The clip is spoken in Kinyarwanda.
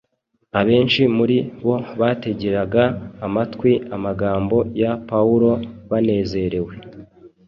abenshi muri bo bategeraga amatwi amagambo ya Pawulo banezerewe